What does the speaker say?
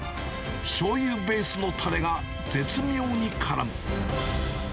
しょうゆベースのたれが、絶妙にからむ。